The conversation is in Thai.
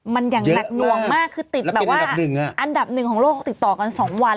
มันอย่างหนักหน่วงมากคือติดแบบว่าอันดับหนึ่งของโลกติดต่อกัน๒วัน